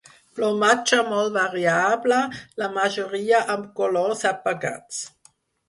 Plomatge molt variable, la majoria amb colors apagats.